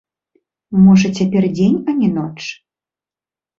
Можа, цяпер дзень, а не ноч?